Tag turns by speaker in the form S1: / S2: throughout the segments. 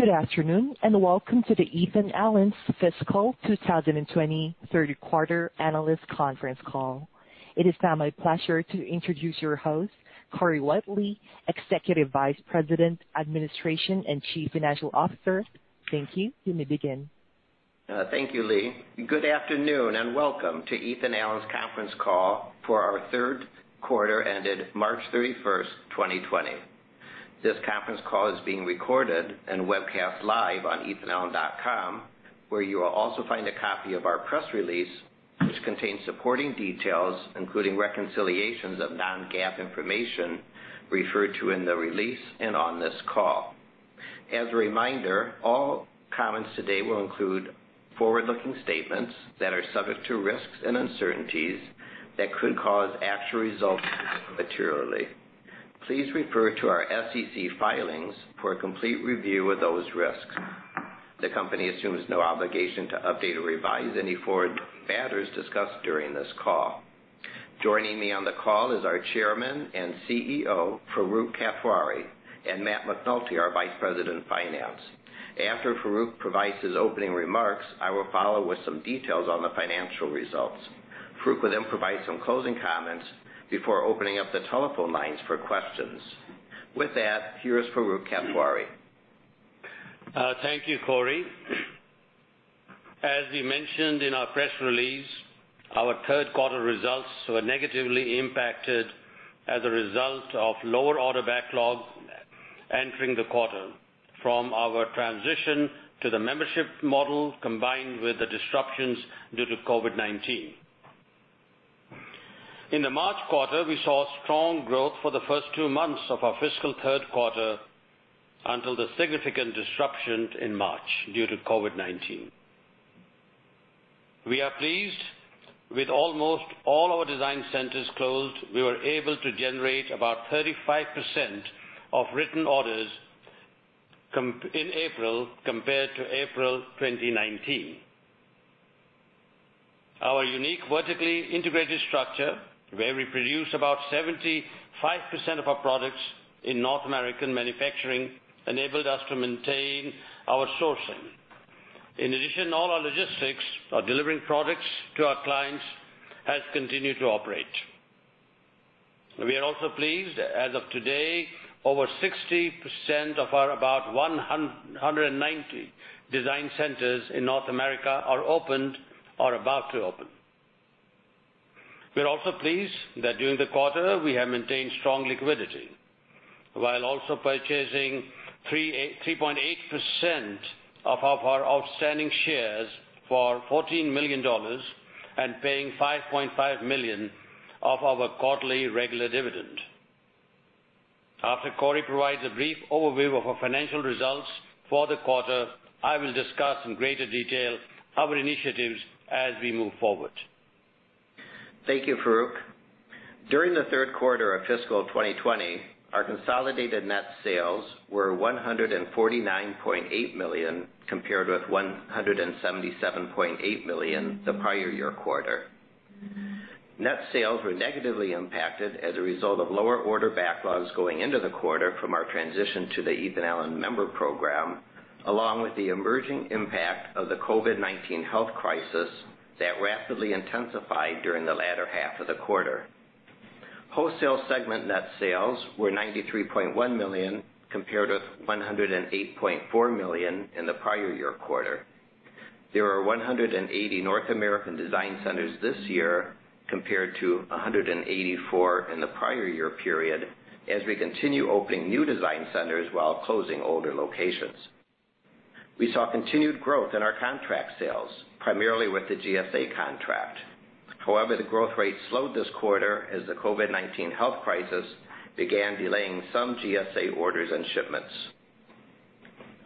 S1: Good afternoon, Welcome to the Ethan Allen's fiscal 2020 third quarter analyst conference call. It is now my pleasure to introduce your host, Corey Whitely, Executive Vice President, Administration and Chief Financial Officer. Thank you. You may begin.
S2: Thank you, Lee. Good afternoon, and Welcome to Ethan Allen's conference call for our third quarter ended March 31st, 2020. This conference call is being recorded and webcast live on ethanallen.com, where you will also find a copy of our press release, which contains supporting details, including reconciliations of non-GAAP information referred to in the release and on this call. As a reminder, all comments today will include forward-looking statements that are subject to risks and uncertainties that could cause actual results materially. Please refer to our SEC filings for a complete review of those risks. The company assumes no obligation to update or revise any forward matters discussed during this call. Joining me on the call is our Chairman and CEO, Farooq Kathwari, and Matthew McNulty, our Vice President of Finance. After Farooq provides his opening remarks, I will follow with some details on the financial results. Farooq will then provide some closing comments before opening up the telephone lines for questions. With that, here is Farooq Kathwari.
S3: Thank you, Corey. As we mentioned in our press release, our third quarter results were negatively impacted as a result of lower order backlogs entering the quarter from our transition to the membership model, combined with the disruptions due to COVID-19. In the March quarter, we saw strong growth for the first two months of our fiscal third quarter until the significant disruptions in March due to COVID-19. We are pleased with almost all our design centers closed, we were able to generate about 35% of written orders in April compared to April 2019. Our unique vertically integrated structure, where we produce about 75% of our products in North American manufacturing, enabled us to maintain our sourcing. In addition, all our logistics for delivering products to our clients has continued to operate. We are also pleased as of today, over 60% of our about 190 design centers in North America are opened or about to open. We're also pleased that during the quarter, we have maintained strong liquidity, while also purchasing 3.8% of our outstanding shares for $14 million and paying $5.5 million of our quarterly regular dividend. After Corey provides a brief overview of our financial results for the quarter, I will discuss in greater detail our initiatives as we move forward.
S2: Thank you, Farooq. During the third quarter of fiscal 2020, our consolidated net sales were $149.8 million, compared with $177.8 million the prior year quarter. Net sales were negatively impacted as a result of lower order backlogs going into the quarter from our transition to the Ethan Allen Member Program, along with the emerging impact of the COVID-19 health crisis that rapidly intensified during the latter half of the quarter. Wholesale segment net sales were $93.1 million, compared with $108.4 million in the prior year quarter. There are 180 North American design centers this year, compared to 184 in the prior year period, as we continue opening new design centers while closing older locations. We saw continued growth in our contract sales, primarily with the GSA contract. However, the growth rate slowed this quarter as the COVID-19 health crisis began delaying some GSA orders and shipments.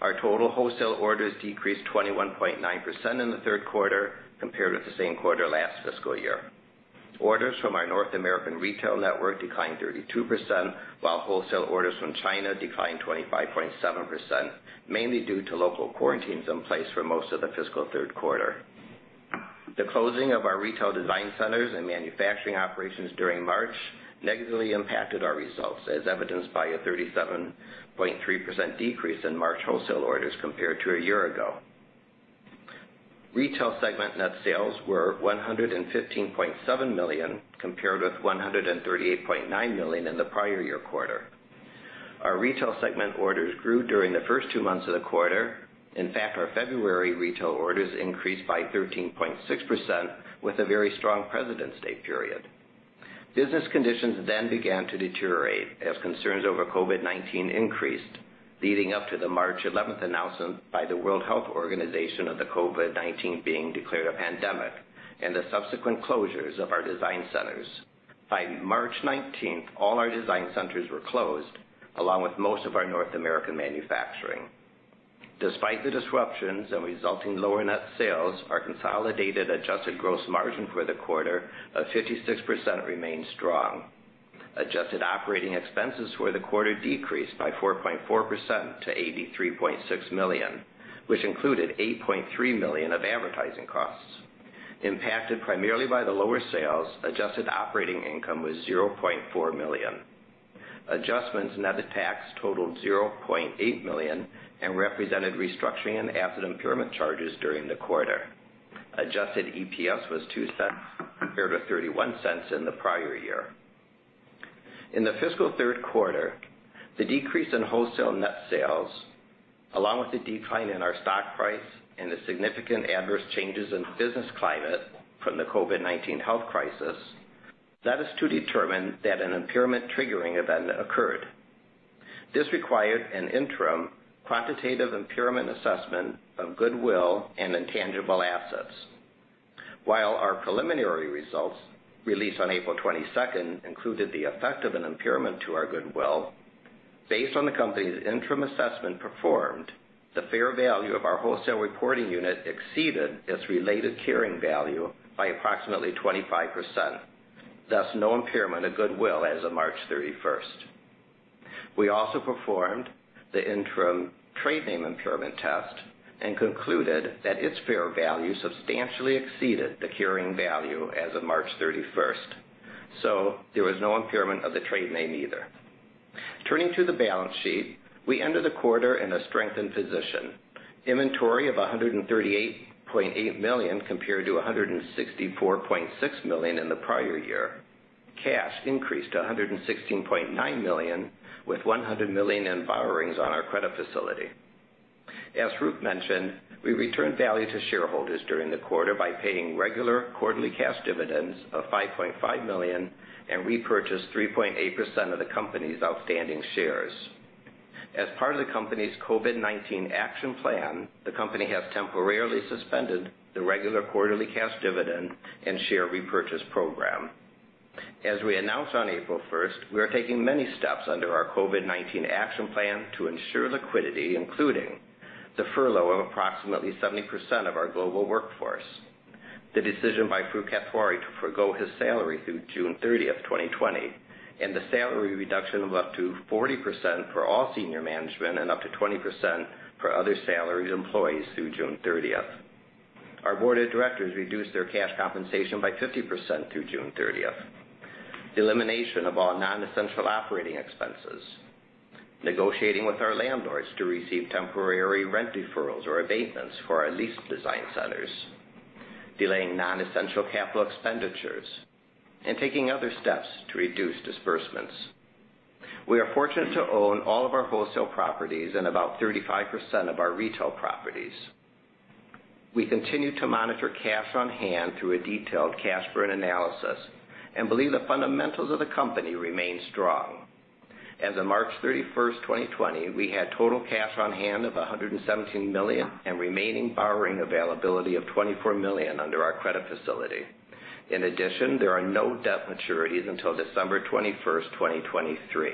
S2: Our total wholesale orders decreased 21.9% in the third quarter compared with the same quarter last fiscal year. Orders from our North American retail network declined 32%, while wholesale orders from China declined 25.7%, mainly due to local quarantines in place for most of the fiscal third quarter. The closing of our retail design centers and manufacturing operations during March negatively impacted our results, as evidenced by a 37.3% decrease in March wholesale orders compared to a year ago. Retail segment net sales were $115.7 million, compared with $138.9 million in the prior year quarter. Our retail segment orders grew during the first two months of the quarter. Our February retail orders increased by 13.6% with a very strong President's Day period. Business conditions then began to deteriorate as concerns over COVID-19 increased, leading up to the March 11th announcement by the World Health Organization of the COVID-19 being declared a pandemic and the subsequent closures of our design centers. By March 19th, all our design centers were closed, along with most of our North American manufacturing. Despite the disruptions and resulting lower net sales, our consolidated adjusted gross margin for the quarter of 56% remains strong. Adjusted operating expenses for the quarter decreased by 4.4% to $83.6 million, which included $8.3 million of advertising costs. Impacted primarily by the lower sales, adjusted operating income was $0.4 million. Adjustments, net of tax, totaled $0.8 million and represented restructuring and asset impairment charges during the quarter. Adjusted EPS was $0.02 compared to $0.31 in the prior year. In the fiscal third quarter, the decrease in wholesale net sales, along with the decline in our stock price and the significant adverse changes in the business climate from the COVID-19 health crisis, led us to determine that an impairment triggering event occurred. This required an interim quantitative impairment assessment of goodwill and intangible assets. While our preliminary results, released on April 22nd, included the effect of an impairment to our goodwill, based on the company's interim assessment performed, the fair value of our wholesale reporting unit exceeded its related carrying value by approximately 25%, thus no impairment of goodwill as of March 31st. We also performed the interim trade name impairment test and concluded that its fair value substantially exceeded the carrying value as of March 31st, so there was no impairment of the trade name either. Turning to the balance sheet, we ended the quarter in a strengthened position. Inventory of $138.8 million compared to $164.6 million in the prior year. Cash increased to $116.9 million, with $100 million in borrowings on our credit facility. As Farooq mentioned, we returned value to shareholders during the quarter by paying regular quarterly cash dividends of $5.5 million and repurchased 3.8% of the company's outstanding shares. As part of the company's COVID-19 action plan, the company has temporarily suspended the regular quarterly cash dividend and share repurchase program. As we announced on April 1st, we are taking many steps under our COVID-19 action plan to ensure liquidity, including the furlough of approximately 70% of our global workforce, the decision by Farooq Kathwari to forgo his salary through June 30th, 2020, and the salary reduction of up to 40% for all senior management and up to 20% for other salaried employees through June 30th. Our board of directors reduced their cash compensation by 50% through June 30th. The elimination of all non-essential operating expenses, negotiating with our landlords to receive temporary rent deferrals or abatements for our leased design centers, delaying non-essential capital expenditures, and taking other steps to reduce disbursements. We are fortunate to own all of our wholesale properties and about 35% of our retail properties. We continue to monitor cash on hand through a detailed cash burn analysis and believe the fundamentals of the company remain strong. As of March 31st, 2020, we had total cash on hand of $117 million and remaining borrowing availability of $24 million under our credit facility. There are no debt maturities until December 21st, 2023.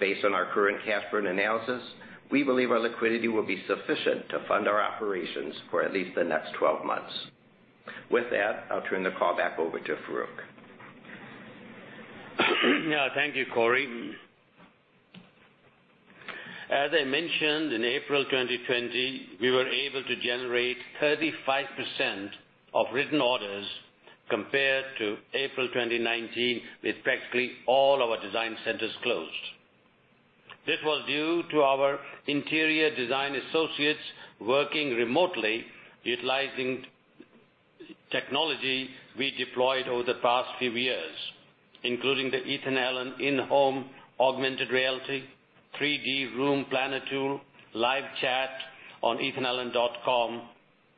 S2: Based on our current cash burn analysis, we believe our liquidity will be sufficient to fund our operations for at least the next 12 months. With that, I'll turn the call back over to Farooq.
S3: Thank you, Corey. As I mentioned, in April 2020, we were able to generate 35% of written orders compared to April 2019, with practically all our design centers closed. This was due to our interior design associates working remotely, utilizing technology we deployed over the past few years, including the Ethan Allen inHome augmented reality, 3D Room Planner tool, live chat on ethanallen.com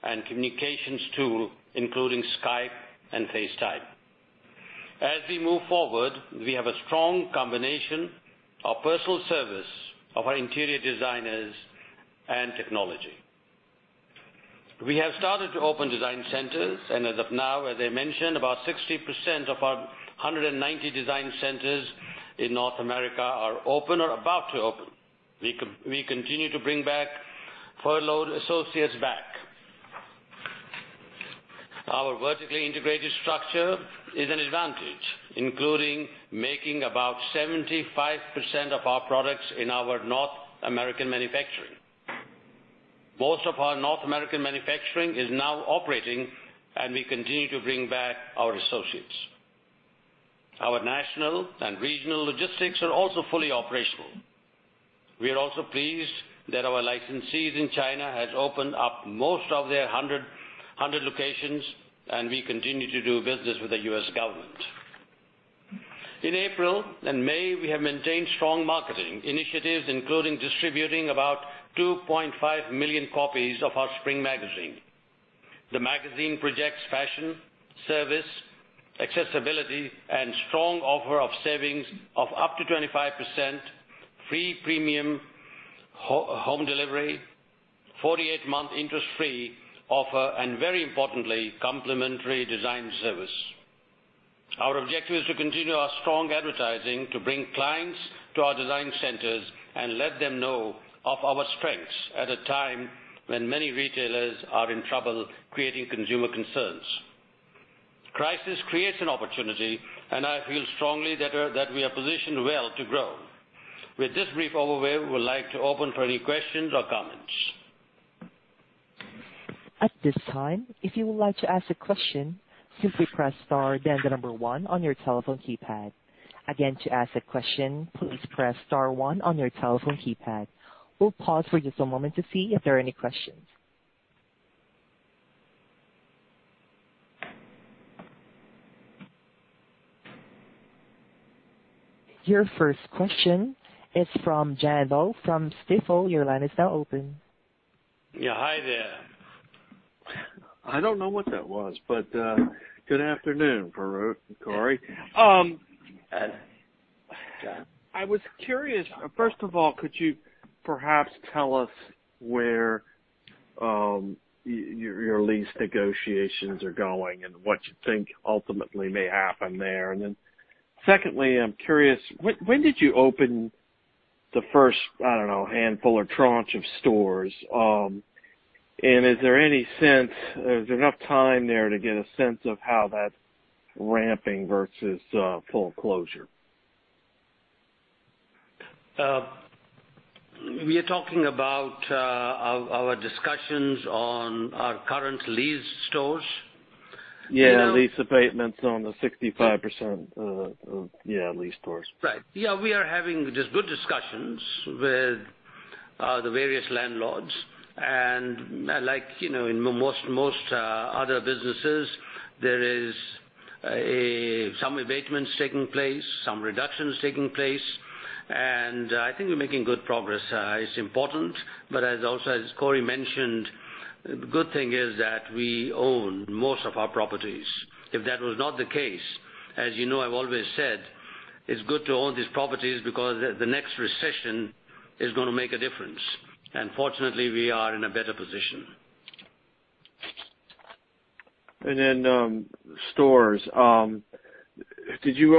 S3: and communications tool, including Skype and FaceTime. As we move forward, we have a strong combination of personal service of our interior designers and technology. We have started to open design centers and as of now, as I mentioned, about 60% of our 190 design centers in North America are open or about to open. We continue to bring back furloughed associates. Our vertically integrated structure is an advantage, including making about 75% of our products in our North American manufacturing. Most of our North American manufacturing is now operating, and we continue to bring back our associates. Our national and regional logistics are also fully operational. We are also pleased that our licensees in China has opened up most of their 100 locations, and we continue to do business with the U.S. government. In April and May, we have maintained strong marketing initiatives, including distributing about 2.5 million copies of our spring magazine. The magazine projects fashion, service, accessibility, and strong offer of savings of up to 25%, free premium home delivery, 48-month interest-free offer, and very importantly, complimentary design service. Our objective is to continue our strong advertising to bring clients to our design centers and let them know of our strengths at a time when many retailers are in trouble creating consumer concerns. Crisis creates an opportunity, and I feel strongly that we are positioned well to grow. With this brief overview, we would like to open for any questions or comments.
S1: At this time, if you would like to ask a question, simply press star then the number one on your telephone keypad. Again, to ask a question, please press star one on your telephone keypad. We'll pause for just a moment to see if there are any questions. Your first question is from John Baugh from Stifel Financial. Your line is now open.
S4: Yeah. Hi there. I don't know what that was, but good afternoon, Farooq Kathwari.
S3: John.
S4: I was curious, first of all, could you perhaps tell us where your lease negotiations are going and what you think ultimately may happen there? Secondly, I'm curious, when did you open the first, I don't know, handful or tranche of stores? Is there enough time there to get a sense of how that's ramping versus full closure?
S3: We are talking about our discussions on our current leased stores?
S4: Yeah, lease abatements on the 65%, yeah, leased stores.
S3: Right. Yeah, we are having just good discussions with the various landlords. Like in most other businesses, there is some abatements taking place, some reductions taking place, and I think we're making good progress. It's important, but also, as Corey mentioned, the good thing is that we own most of our properties. If that was not the case, as you know I've always said, it's good to own these properties because the next recession is going to make a difference. Fortunately, we are in a better position.
S4: Then stores. When did you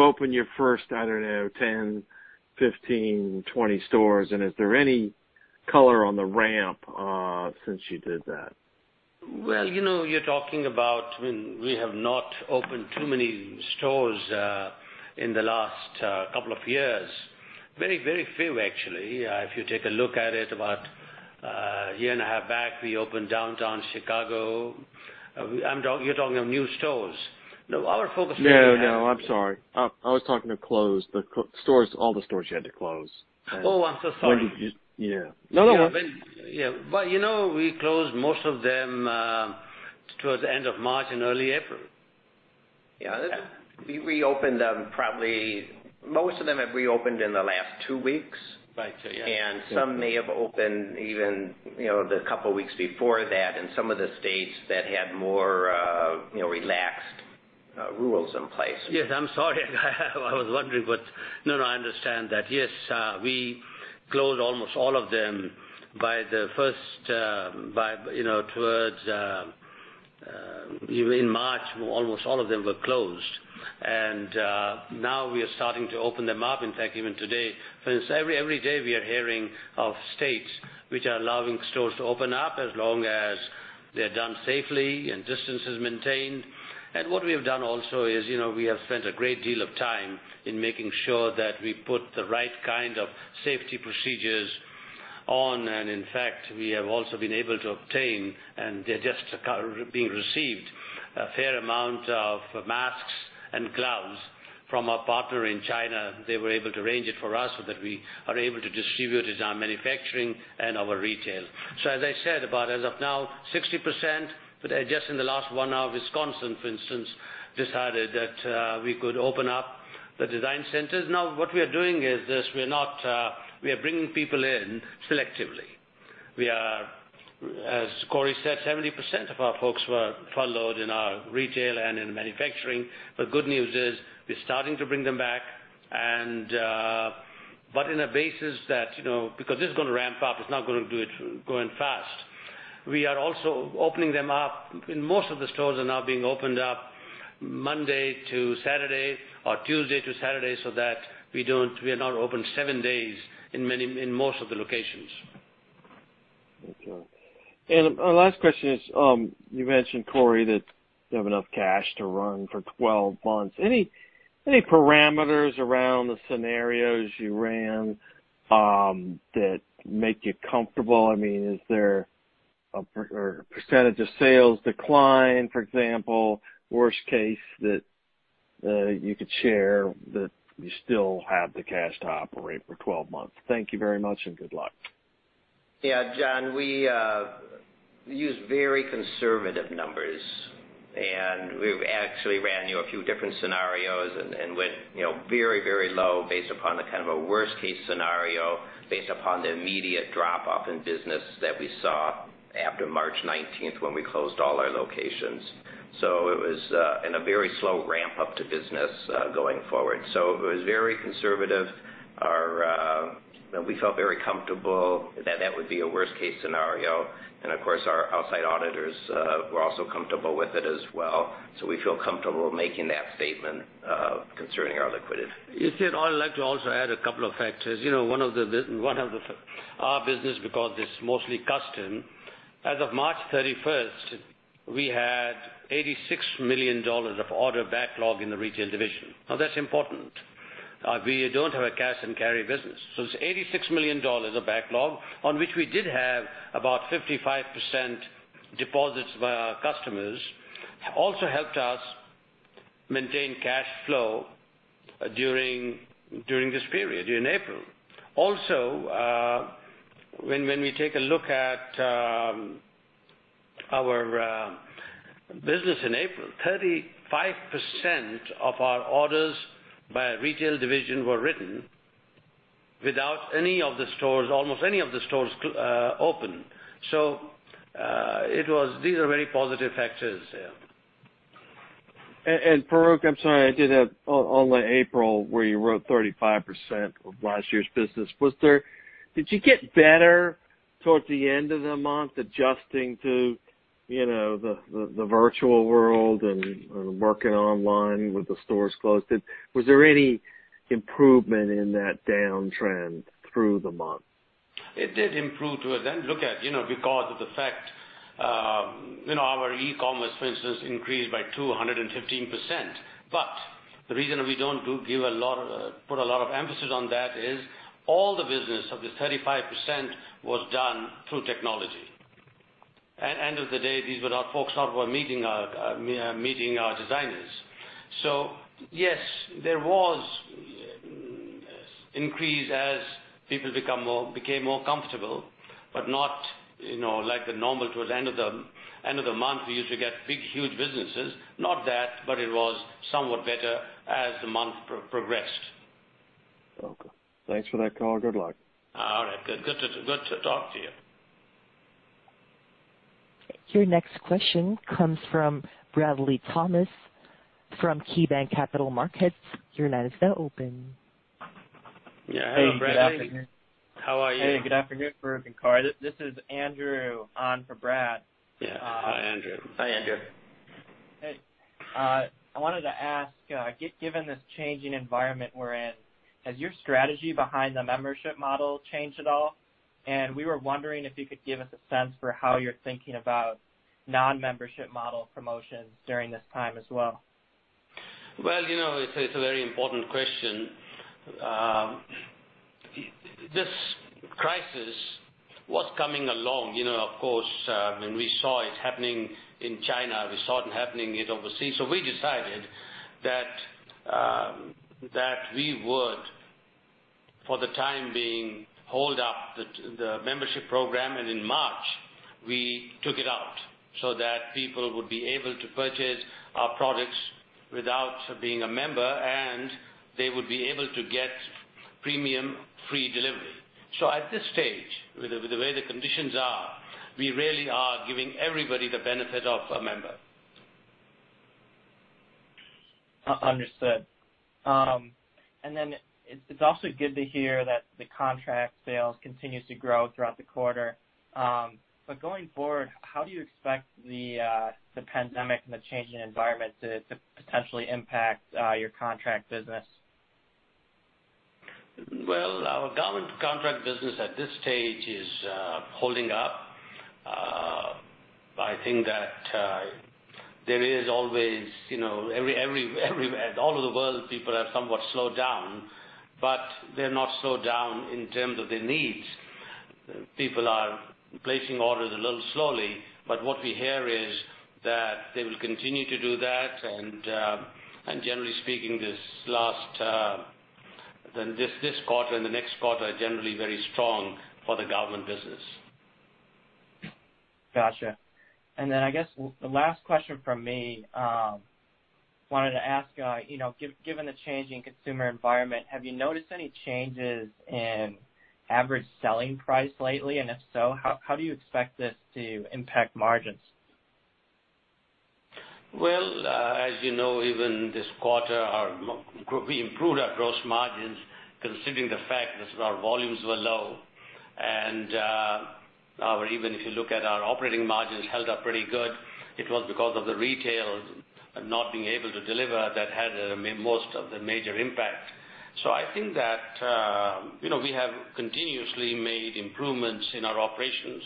S4: open your first, I don't know, 10, 15, 20 stores? Is there any color on the ramp since you did that?
S3: Well, you're talking about when we have not opened too many stores in the last couple of years. Very, very few, actually. If you take a look at it, about a year and a half back, we opened downtown Chicago. You're talking of new stores. No, our focus right now.
S4: No, I'm sorry. I was talking of closed. All the stores you had to close.
S3: Oh, I'm so sorry.
S4: When did you Yeah. No, no.
S3: Yeah. We closed most of them towards the end of March and early April. Yeah. We reopened them probably, most of them have reopened in the last two weeks.
S4: Right.
S3: Yeah. Some may have opened even the couple of weeks before that in some of the states that had more relaxed rules in place. Yes, I'm sorry. No, I understand that. Yes, we closed almost all of them towards in March, almost all of them were closed. Now we are starting to open them up, in fact, even today. Every day we are hearing of states which are allowing stores to open up as long as they're done safely and distance is maintained. What we have done also is we have spent a great deal of time in making sure that we put the right kind of safety procedures on. In fact, we have also been able to obtain, and they're just being received, a fair amount of masks and gloves from our partner in China. They were able to arrange it for us so that we are able to distribute it in our manufacturing and our retail. As I said, about as of now, 60%, but just in the last one hour, Wisconsin, for instance, decided that we could open up the design centers. What we are doing is this. We are bringing people in selectively. We are, as Corey said, 70% of our folks were furloughed in our retail and in manufacturing. The good news is we're starting to bring them back, but in a basis that, because this is going to ramp up, it's not going to do it going fast. We are also opening them up, and most of the stores are now being opened up Monday to Saturday or Tuesday to Saturday, so that we are not open seven days in most of the locations.
S4: Okay. Last question is, you mentioned, Corey, that you have enough cash to run for 12 months. Any parameters around the scenarios you ran that make you comfortable? Is there a percent of sales decline, for example, worst case that you could share that you still have the cash to operate for 12 months? Thank you very much. Good luck.
S2: Yeah, John, we used very conservative numbers, and we actually ran you a few different scenarios and went very low based upon the kind of a worst-case scenario, based upon the immediate drop-off in business that we saw after March 19th, when we closed all our locations. It was in a very slow ramp-up to business going forward. It was very conservative. Of course, our outside auditors were also comfortable with it as well. We feel comfortable making that statement concerning our liquidity.
S3: John, I'd like to also add a couple of factors. One of our business, because it's mostly custom, as of March 31st, we had $86 million of order backlog in the retail division. That's important. We don't have a cash and carry business. It's $86 million of backlog on which we did have about 55% deposits by our customers, also helped us maintain cash flow during this period, during April. When we take a look at our business in April, 35% of our orders by our retail division were written without any of the stores, almost any of the stores open. These are very positive factors.
S4: Farooq, I'm sorry, I did have on the April where you wrote 35% of last year's business. Did you get better towards the end of the month, adjusting to the virtual world and working online with the stores closed? Was there any improvement in that downtrend through the month?
S3: It did improve towards the end. Because of the fact, our e-commerce business increased by 215%. The reason we don't put a lot of emphasis on that is all the business of this 35% was done through technology. At end of the day, these were not folks who were meeting our designers. Yes, there was increase as people became more comfortable, but not like the normal towards end of the month, we used to get big, huge businesses. Not that. It was somewhat better as the month progressed.
S4: Okay. Thanks for that, Farooq. Good luck.
S3: All right. Good to talk to you.
S1: Your next question comes from Bradley Thomas from KeyBanc Capital Markets. Your line is now open.
S5: Yeah. Hey, good afternoon.
S3: Hey, Bradley. How are you?
S5: Hey, good afternoon, Farooq and Corey. This is Andrew on for Brad.
S3: Yeah. Hi, Andrew.
S5: Hey. I wanted to ask, given this changing environment we're in, has your strategy behind the membership model changed at all? We were wondering if you could give us a sense for how you're thinking about non-membership-model promotions during this time as well.
S3: Well, it's a very important question. This crisis was coming along. Of course, when we saw it happening in China, we saw it happening overseas. We decided that we would, for the time being, hold up the membership program, and in March, we took it out so that people would be able to purchase our products without being a member, and they would be able to get premium free delivery. At this stage, with the way the conditions are, we really are giving everybody the benefit of a member.
S5: Understood. It's also good to hear that the contract sales continues to grow throughout the quarter. Going forward, how do you expect the pandemic and the changing environment to potentially impact your contract business?
S3: Well, our government contract business at this stage is holding up. I think that there is always, all over the world, people have somewhat slowed down, but they're not slowed down in terms of their needs. People are placing orders a little slowly, but what we hear is that they will continue to do that, and generally speaking, this quarter and the next quarter are generally very strong for the government business.
S5: Got you. I guess the last question from me, wanted to ask, given the changing consumer environment, have you noticed any changes in average selling price lately? If so, how do you expect this to impact margins?
S3: Well, as you know, even this quarter, we improved our gross margins considering the fact that our volumes were low. Even if you look at our operating margins, held up pretty good. It was because of the retail not being able to deliver that had most of the major impact. I think that we have continuously made improvements in our operations.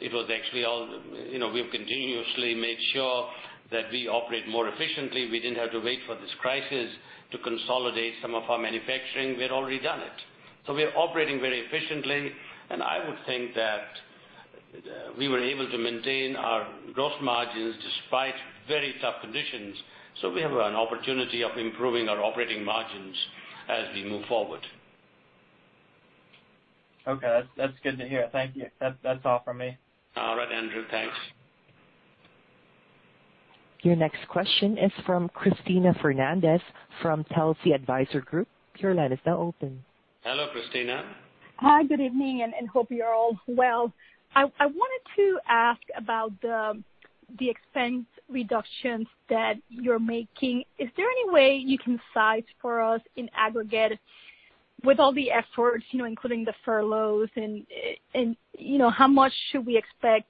S3: We have continuously made sure that we operate more efficiently. We didn't have to wait for this crisis to consolidate some of our manufacturing. We'd already done it. We are operating very efficiently, and I would think that we were able to maintain our gross margins despite very tough conditions. We have an opportunity of improving our operating margins as we move forward.
S5: Okay. That's good to hear. Thank you. That's all from me.
S3: All right, Andrew. Thanks.
S1: Your next question is from Cristina Fernández from Telsey Advisory Group. Your line is now open.
S3: Hello, Cristina.
S6: Hi, good evening, and hope you're all well. I wanted to ask about the expense reductions that you're making. Is there any way you can cite for us in aggregate, with all the efforts, including the furloughs, how much should we expect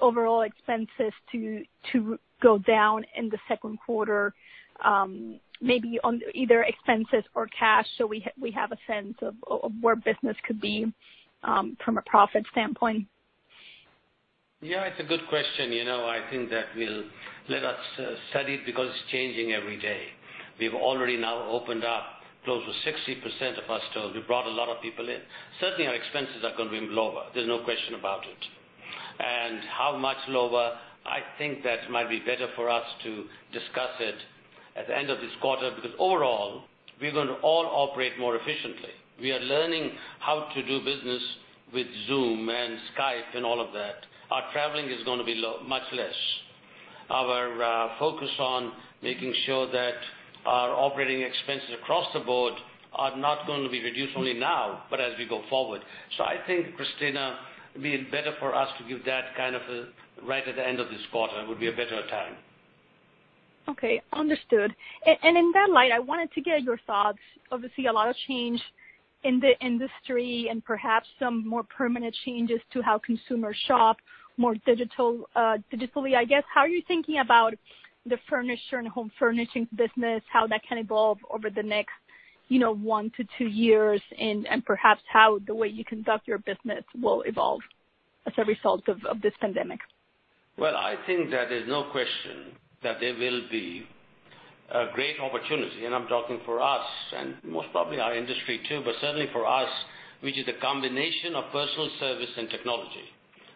S6: overall expenses to go down in the second quarter, maybe on either expenses or cash, so we have a sense of where business could be from a profit standpoint?
S3: Yeah, it's a good question. I think that we'll let us study it because it's changing every day. We've already now opened up close to 60% of our stores. We brought a lot of people in. Certainly, our expenses are going to be lower. There's no question about it. How much lower? I think that might be better for us to discuss it at the end of this quarter, because overall, we're going to all operate more efficiently. We are learning how to do business with Zoom and Skype and all of that. Our traveling is going to be much less. Our focus on making sure that our operating expenses across the board are not going to be reduced only now, but as we go forward. I think, Cristina, it'd be better for us to give that right at the end of this quarter, would be a better time.
S6: Okay, understood. In that light, I wanted to get your thoughts. Obviously, a lot of change in the industry and perhaps some more permanent changes to how consumers shop more digitally. How are you thinking about the furniture and home furnishings business, how that can evolve over the next one to two years, and perhaps how the way you conduct your business will evolve as a result of this pandemic?
S3: Well, I think that there's no question that there will be a great opportunity, and I'm talking for us, and most probably our industry too, but certainly for us, which is a combination of personal service and technology.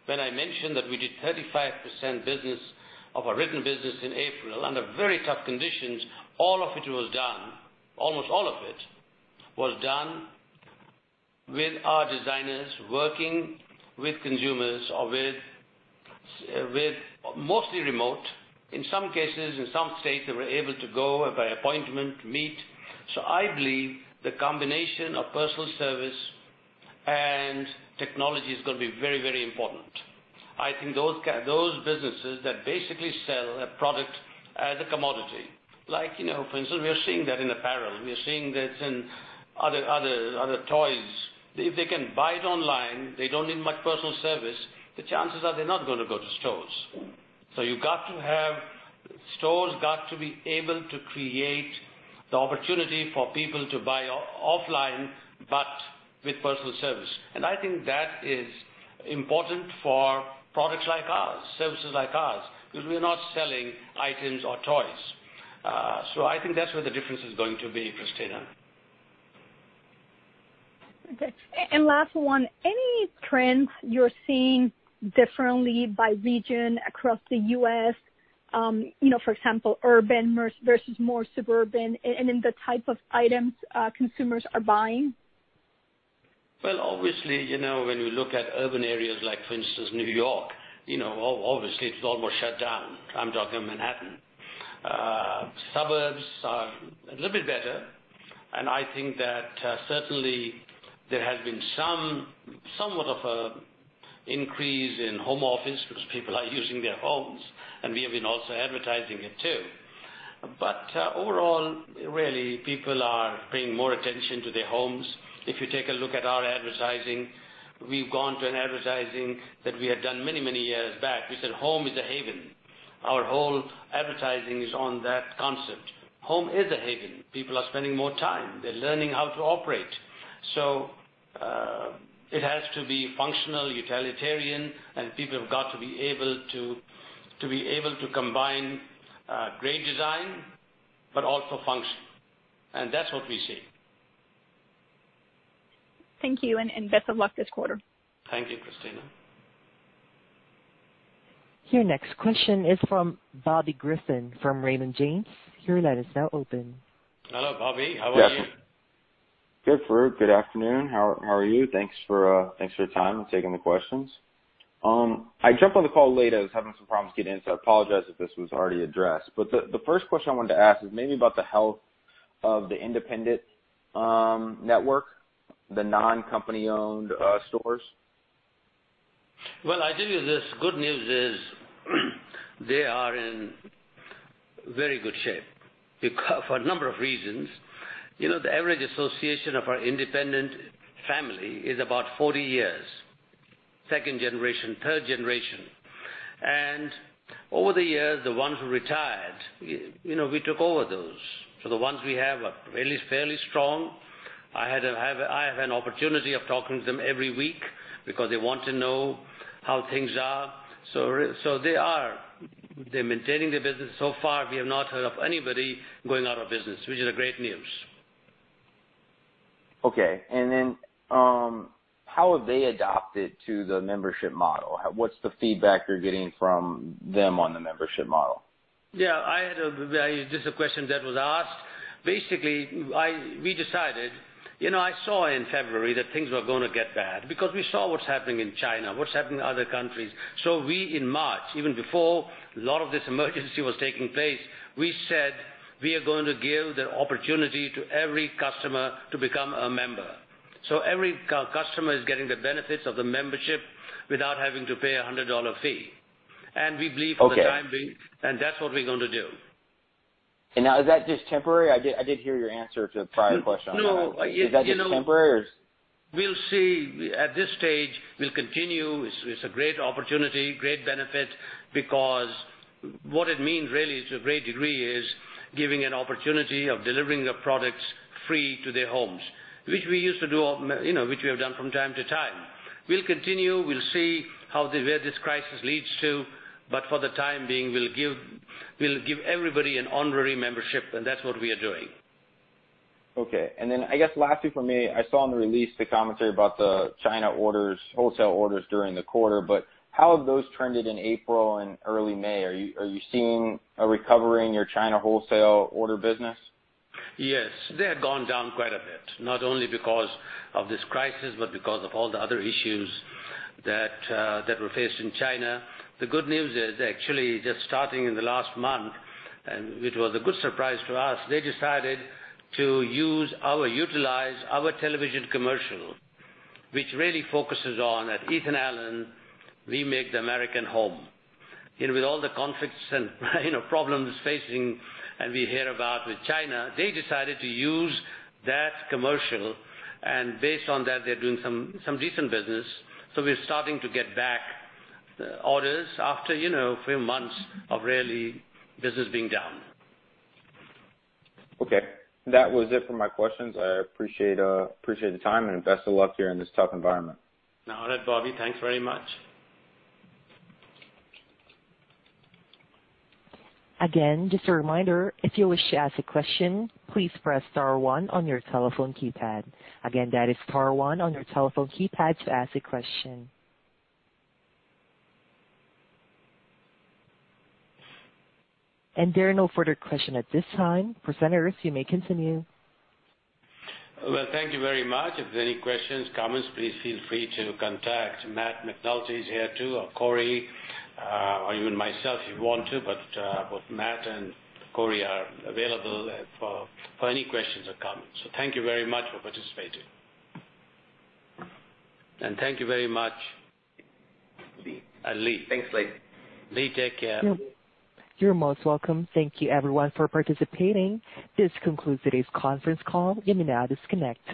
S3: When I mentioned that we did 35% business of our written business in April under very tough conditions, all of it was done, almost all of it was done with our designers working with consumers or with mostly remote. In some cases, in some states, they were able to go by appointment to meet. I believe the combination of personal service and technology is going to be very important. I think those businesses that basically sell a product as a commodity, for instance, we are seeing that in apparel. We are seeing this in other toys. If they can buy it online, they don't need much personal service, the chances are they're not going to go to stores. Stores got to be able to create the opportunity for people to buy offline, but with personal service. I think that is important for products like ours, services like ours, because we're not selling items or toys. I think that's where the difference is going to be, Cristina.
S6: Okay. Last one, any trends you're seeing differently by region across the U.S., for example, urban versus more suburban, and in the type of items consumers are buying?
S3: Well, obviously, when we look at urban areas like, for instance, New York, obviously it's almost shut down. I'm talking Manhattan. Suburbs are a little bit better. Certainly there has been somewhat of an increase in home office because people are using their homes, and we have been also advertising it too. Overall, really, people are paying more attention to their homes. If you take a look at our advertising, we've gone to an advertising that we had done many years back. We said home is a haven. Our whole advertising is on that concept. Home is a haven. People are spending more time. They're learning how to operate. It has to be functional, utilitarian, and people have got to be able to combine great design, but also function. That's what we're seeing.
S6: Thank you. Best of luck this quarter.
S3: Thank you, Cristina.
S1: Your next question is from Bobby Griffin from Raymond James. Your line is now open.
S3: Hello, Bobby. How are you?
S7: Good, Farooq. Good afternoon. How are you? Thanks for your time and taking the questions. I jumped on the call late. I was having some problems getting in, so I apologize if this was already addressed. The first question I wanted to ask is maybe about the health of the independent network, the non-company-owned stores.
S3: Well, I tell you this, good news is they are in very good shape for a number of reasons. The average association of our independent family is about 40 years, second generation, third generation. Over the years, the ones who retired, we took over those. The ones we have are really fairly strong. I have an opportunity of talking to them every week because they want to know how things are. They're maintaining their business. So far, we have not heard of anybody going out of business, which is a great news.
S7: Okay. How have they adapted to the membership model? What's the feedback you're getting from them on the membership model?
S3: Yeah, this is a question that was asked. Basically, we decided, I saw in February that things were going to get bad because we saw what's happening in China, what's happening in other countries. We, in March, even before a lot of this emergency was taking place, we said we are going to give the opportunity to every customer to become a member. Every customer is getting the benefits of the membership without having to pay a $100 fee. We believe.
S7: Okay
S3: For the time being, and that's what we're going to do.
S7: Now is that just temporary? I did hear your answer to the prior question on that.
S3: No.
S7: Is that just temporary or?
S3: We'll see. At this stage, we'll continue. It's a great opportunity, great benefit, because what it means really, to a great degree, is giving an opportunity of delivering the products free to their homes, which we have done from time to time. We'll continue. We'll see where this crisis leads to, but for the time being, we'll give everybody an honorary membership, and that's what we are doing.
S7: Okay. I guess lastly from me, I saw in the release the commentary about the China wholesale orders during the quarter, but how have those trended in April and early May? Are you seeing a recovery in your China wholesale order business?
S3: Yes. They had gone down quite a bit, not only because of this crisis, but because of all the other issues that were faced in China. The good news is actually just starting in the last month, and which was a good surprise to us, they decided to utilize our television commercial, which really focuses on, "At Ethan Allen, we make the American Home." With all the conflicts and problems facing, and we hear about with China, they decided to use that commercial, and based on that, they're doing some decent business. We're starting to get back orders after a few months of really business being down.
S7: That was it for my questions. I appreciate the time, and best of luck here in this tough environment.
S2: All right, Bobby, thanks very much.
S1: Again, just a reminder, if you wish to ask a question, please press star one on your telephone keypad. Again, that is star one on your telephone keypad to ask a question. There are no further question at this time. Presenters, you may continue.
S3: Well, thank you very much. If you have any questions, comments, please feel free to contact Matthew McNulty. He's here too, or Corey, or even myself if you want to. Both Matt and Corey are available for any questions or comments. Thank you very much for participating. Thank you very much, Lee.
S2: Thanks, Lee.
S3: Lee, take care.
S1: You're most welcome. Thank you everyone for participating. This concludes today's conference call. You may now disconnect.